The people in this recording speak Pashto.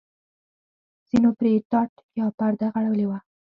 ځینو پرې ټاټ یا پرده غوړولې وه.